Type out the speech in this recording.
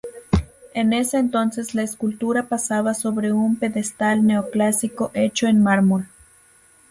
En ese entonces la escultura posaba sobre un pedestal neoclásico hecho en mármol.